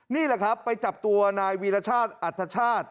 นี่แหละครับไปจับตัวนายวีรชาติอัธชาติ